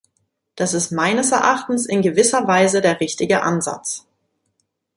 Das ist meines Erachtens in gewisser Weise der richtige Ansatz.